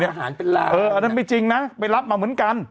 อาหารเป็นล้านเอออันนั้นไม่จริงนะไปรับมาเหมือนกัน